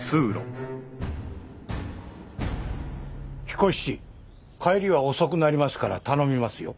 彦七帰りは遅くなりますから頼みますよ。